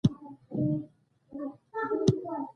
بې له اقتصاده پوځ او سیاست نشته.